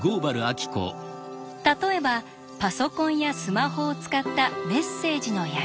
例えばパソコンやスマホを使ったメッセージのやり取り。